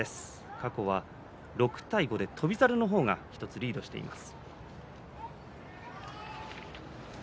過去は６対５で翔猿が１つリードしています。